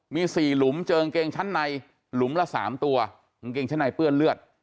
มี๔หลุมเจอกางเกงชั้นในหลุมละ๓ตัวกางเกงชั้นในเปื้อนเลือด